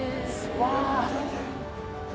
うわ